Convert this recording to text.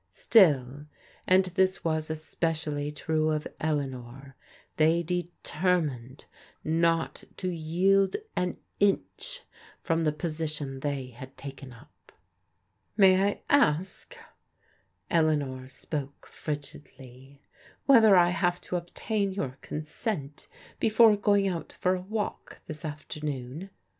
Still, and this was especially true of Eleanor, they determined not to yield an inch from the position they had taken up. " May I ask," — Eleanor spoke frigidly —" whether I have to obtain your consent before going out for a walk this afternoon?